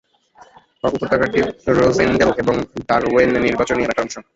উপত্যকাটি Rossendale এবং Darwen নির্বাচনী এলাকার অংশ।